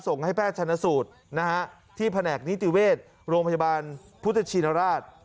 ส่งให้แพทย์ชนสูตรที่แผนกนิติเวชโรงพยาบาลพุทธชินราช